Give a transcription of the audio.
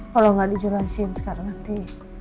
kalo gak dijelasin sekarang nanti